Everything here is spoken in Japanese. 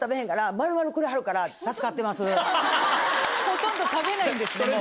ほとんど食べないんですね